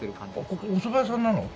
ここおそば屋さんなの？